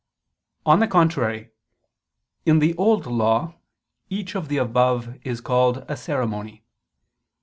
On the contrary, In the Old Law each of the above is called a ceremony.